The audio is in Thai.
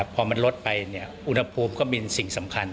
พอมันลดไปเนี่ยอุณหภูมิก็มีสิ่งสำคัญ